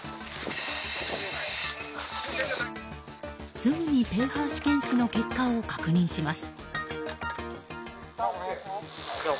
すぐにｐＨ試験紙の結果を確認します。